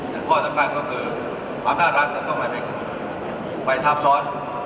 แต่ข้อสำคัญก็คือความด้านรัฐก็ต้องไปทับซ้อน